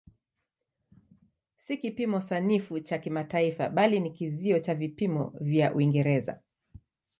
Si kipimo sanifu cha kimataifa bali ni kizio cha vipimo vya Uingereza.